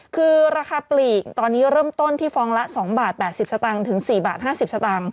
คือราคาปลีกตอนนี้เริ่มต้นที่ฟองละ๒บาท๘๐สตางค์ถึง๔บาท๕๐สตางค์